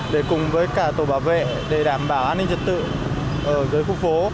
để cùng với cả tổ bảo vệ để đảm bảo an ninh trật tự ở dưới khu phố